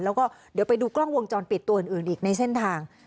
แล้วก็เดี๋ยวไปดูกล้องวงจรปิดตัวอื่นอีกในเส้นทาง